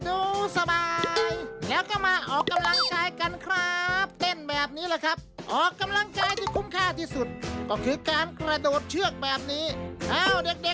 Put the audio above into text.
ออกกำลังกายนี้ขุนสวยแน่นอน